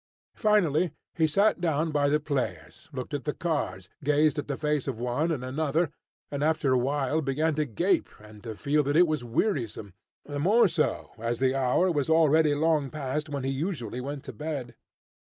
Finally he sat down by the players, looked at the cards, gazed at the face of one and another, and after a while began to gape, and to feel that it was wearisome, the more so, as the hour was already long past when he usually went to bed.